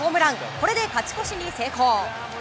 これで勝ち越しに成功。